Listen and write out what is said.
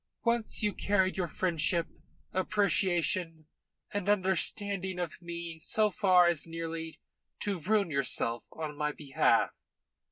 Once you carried your friendship, appreciation, and understanding of me so far as nearly to ruin yourself on my behalf.